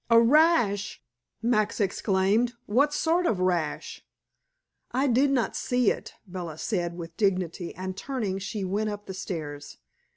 "A rash!" Max exclaimed. "What sort of rash?" "I did not see it," Bella said with dignity, and turning, she went up the stairs.